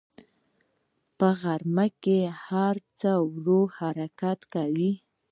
په غرمه کې هر څه ورو حرکت کوي